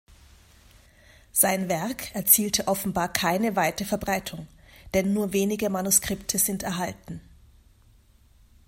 Sein Werk erzielte offenbar keine weite Verbreitung, denn nur wenige Manuskripte sind erhalten.